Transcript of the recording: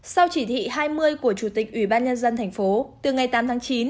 sau chỉ thị hai mươi của chủ tịch ủy ban nhân dân thành phố từ ngày tám tháng chín